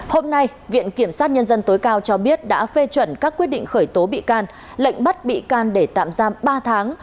hôm nay viện kiểm sát nhân dân tối cao cho biết đã phê chuẩn các quyết định khởi tố bị can lệnh bắt bị can để tạm giam ba tháng